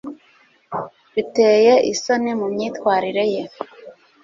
Biteye isoni mu myitwarire ye